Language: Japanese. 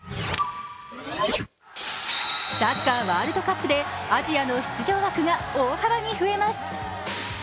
サッカーワールドカップでアジアの出場枠が大幅に増えます。